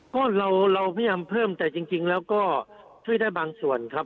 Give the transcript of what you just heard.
ก็เราพยายามเพิ่มแต่จริงแล้วก็ช่วยได้บางส่วนครับ